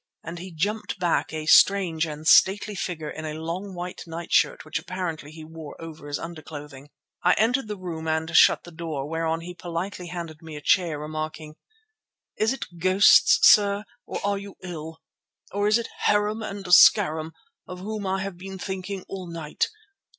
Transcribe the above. and he jumped back, a strange and stately figure in a long white nightshirt which apparently he wore over his underclothing. I entered the room and shut the door, whereon he politely handed me a chair, remarking, "Is it ghosts, sir, or are you ill, or is it Harum and Scarum, of whom I have been thinking all night?